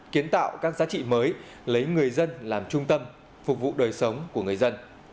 kiến tạo các giá trị mới lấy người dân làm trung tâm phục vụ đời sống của người dân